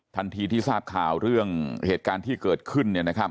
ทันทีที่ทราบข่าวเรื่องเหตุการณ์ที่เกิดขึ้น